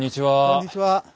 こんにちは。